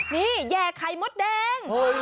นี่แห่ไข่มดแดง